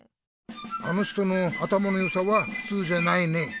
「あの人の頭のよさはふつうじゃないね」とか